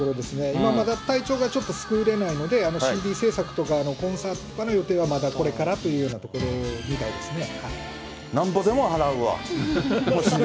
今、まだ体調が作れないので、ＣＤ制作とか、コンサートとかの予定はまだこれからというところみたいですね。